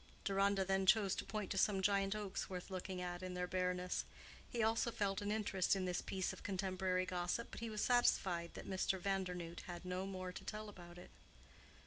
Deronda then chose to point to some giant oaks worth looking at in their bareness. He also felt an interest in this piece of contemporary gossip, but he was satisfied that Mr. Vandernoodt had no more to tell about it.